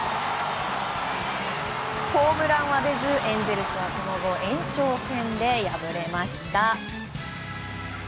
ホームランは出ずエンゼルスはその後延長戦で敗れました。